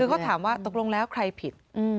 คือเขาถามว่าตกลงแล้วใครผิด